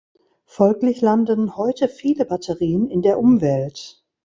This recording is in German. Folglich landen heute viele Batterien in der Umwelt.